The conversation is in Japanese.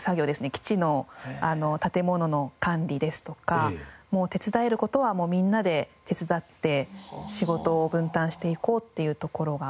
基地の建物の管理ですとかもう手伝える事はみんなで手伝って仕事を分担していこうっていうところが。